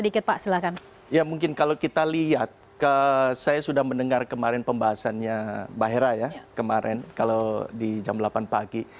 kita mendengar kemarin pembahasannya mbak hera ya kemarin kalau di jam delapan pagi